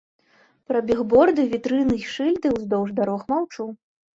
Пра бігборды, вітрыны і шыльды ўздоўж дарог маўчу.